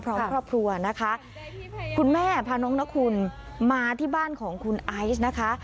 ครอบครัวนะคะคุณแม่พาน้องนคุณมาที่บ้านของคุณไอซ์นะคะ